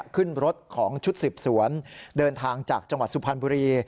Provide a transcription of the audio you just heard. ขึ้นรถของชุดสืบสวนเดินทางจากจังหวัดสุพรรณบุรี